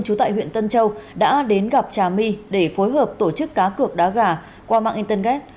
trú tại huyện tân châu đã đến gặp trà my để phối hợp tổ chức cá cược đá gà qua mạng internet